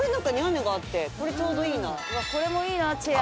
これもいいなチェア。